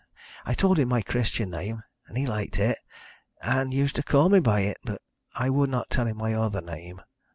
I told him my Christian name, and he liked it, and used to call me by it, but I would not tell him my other name.